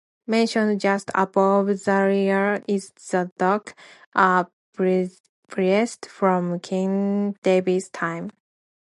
Mentioned just above Zariah is Zadok, a priest from King David's time.